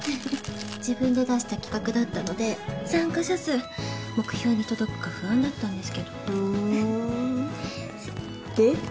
自分で出した企画だったので参加者数目標に届くか不安だったんですけどふんで？